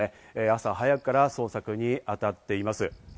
朝早くから捜索に当たっています。